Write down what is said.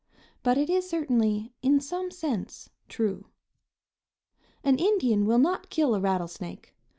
but it is certainly, in some sense, true. An Indian will not kill a rattlesnake.